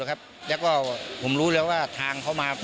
แล้วก็ผมรู้แล้วว่าทางเขามา